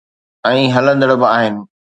۽ ھلندڙ به آھن